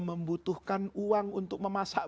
membutuhkan uang untuk memasak